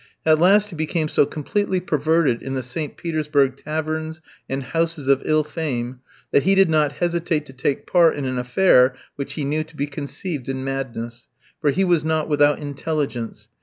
At last he became so completely perverted in the St. Petersburg taverns and houses of ill fame, that he did not hesitate to take part in an affair which he knew to be conceived in madness for he was not without intelligence.